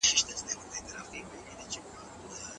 ايا حضوري ټولګي د ښوونکي لارښوونه روښانه کوي؟